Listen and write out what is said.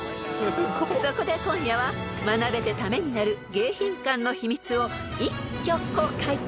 ［そこで今夜は学べてためになる迎賓館の秘密を一挙公開］